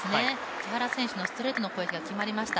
木原選手のストレートの攻撃が決まりました。